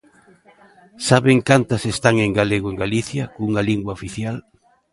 ¿Saben cantas están en galego en Galicia, cunha lingua oficial?